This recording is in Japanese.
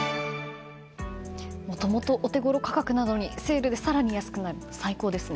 もともとお手ごろ価格なのにセールで更に安くなるって最高ですね。